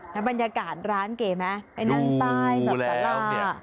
ในบรรยากาศร้านเก๋ไหมไปนั่งใต้แบบซาราดูแล้วเนี่ย